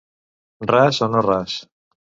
Ras o no ras.